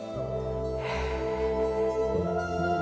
へえ。